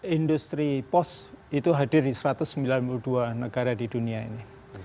industri pos itu hadir di satu ratus sembilan puluh dua negara di dunia ini